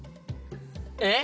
えっ？